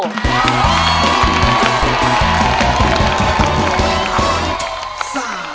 เย้